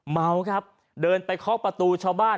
เมาครับเดินไปเคาะประตูชาวบ้าน